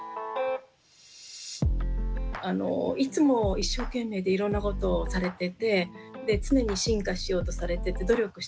いつも一生懸命でいろんなことをされてて常に進化しようとされてて努力してると思うんですね。